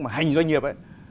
mà hành doanh nghiệp ấy